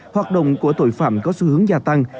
hoạt động của tội phạm có xu hướng gia tăng